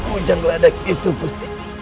ujang ledak itu bersih